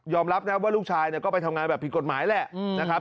รับนะว่าลูกชายก็ไปทำงานแบบผิดกฎหมายแหละนะครับ